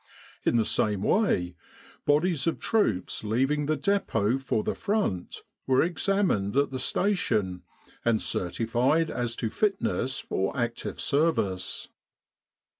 In the same way, bodies of troops leaving the depot for the Front were examined at the Station, and certified as to fitness for active service.